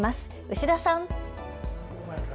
牛田さん。